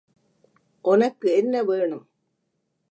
ஒனக்கு என்ன வேணும்?